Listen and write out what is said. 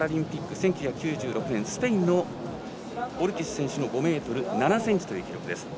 １９９６年スペインのオルティス選手の５ｍ７ｃｍという記録です。